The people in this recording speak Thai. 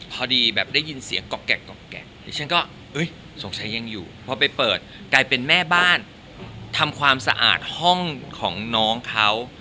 พอดีแบบได้ยินเสียงกรอบดิฉันก็สงสัยยังอยู่พอไปเปิดกลายเป็นแม่บ้านทำความสะอาดห้องของน้องเขา